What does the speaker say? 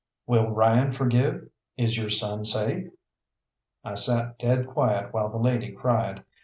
"Will Ryan forgive? Is your son safe?" I sat dead quiet while the lady cried.